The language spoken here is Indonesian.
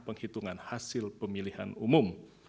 penghitungan hasil pemilihan umum